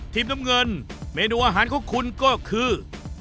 น้ำเงินเมนูอาหารของคุณก็คือ